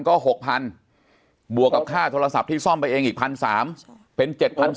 ก็๖๐๐๐บวกกับค่าโทรศัพท์ที่ซ่อมไปเองอีก๑๓๐๐เป็น๗๓๐๐